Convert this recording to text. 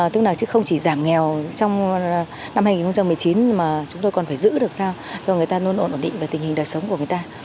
tức là không chỉ giảm nghèo trong năm hai nghìn một mươi chín mà chúng tôi còn phải giữ được sao cho người ta luôn ổn định về tình hình đời sống của người ta